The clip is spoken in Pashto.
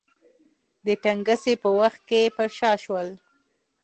د تنګسې په وخت کې پر شا شول.